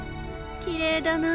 きれいだな。